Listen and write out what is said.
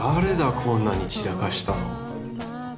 こんなに散らかしたの。